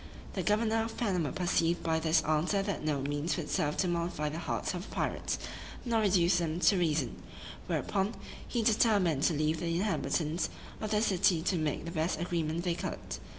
The governor of Panama perceived by this answer that no means would serve to mollify the hearts of the pirates, nor reduce them to reason: whereupon, he determined to leave the inhabitants of the city to make the best agreement they could.